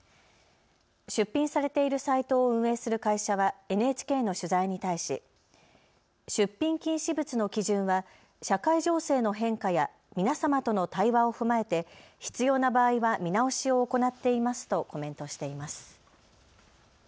出品されているサイトを運営する会社はＮＨＫの取材に対し、出品禁止物の基準は社会情勢の変化や皆様との対話を踏まえて必要な場合は見直しを行っていますとコメントしています。